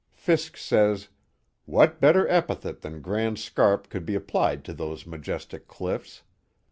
Fiske says: What better epithet than Grand Scarp could be applied to those majestic cliffs.